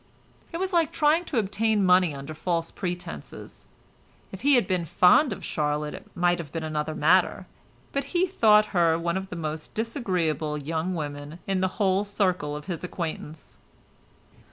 It was like trying to obtain money under false pretences. If he had been fond of Charlotte it might have been another matter, but he thought her one of the most disagreeable young women in the whole circle of his acquaintance.